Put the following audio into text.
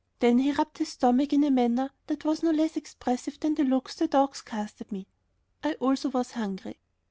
Then he rubbed his stomach in a manner that was no less expressive than the looks the dogs cast at me. I also was hungry.